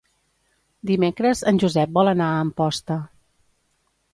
Dimecres en Josep vol anar a Amposta.